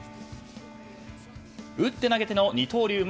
打って投げての二刀流。